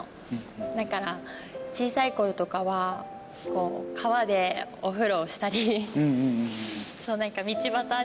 だから小さい頃とかは川でお風呂をしたり。